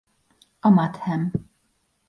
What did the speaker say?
A mathem.